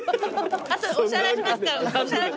後でお支払いしますから。